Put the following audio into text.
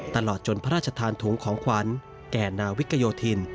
ตลอดจนพระราชทานถุงของขวัญแก่นาวิกโยธิน